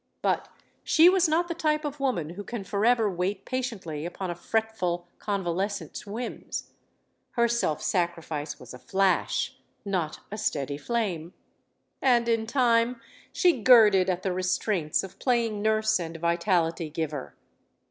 But she was not the type of woman who can forever wait patiently upon a fretful convalescent's whims. Her self sacrifice was a flash, not a steady flame. And in time she girded at the restraints of playing nurse and vitality giver.